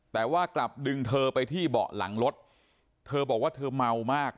แต่ว่ากลับดึงเธอไปที่เบาะหลังรถเธอบอกว่าเธอเมามาก